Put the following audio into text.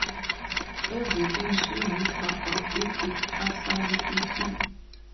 Everything she wrote about it is absolutely true.